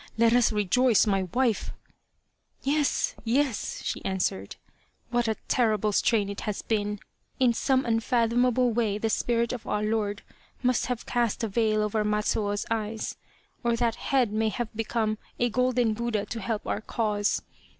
Let us rejoice, my wife !"" Yes, yes," she answered, " what a terrible strain it has been ! In some unfathomable way the spirit of our lord must have cast a veil over Matsuo's eyes, or that head may have become a golden Buddha to help our cause.